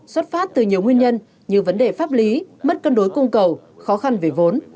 xuất phát từ nhiều nguyên nhân như vấn đề pháp lý mất cân đối cung cầu khó khăn về vốn